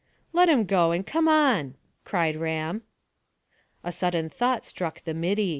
"Let him go, and come on," cried Ram. A sudden thought struck the middy.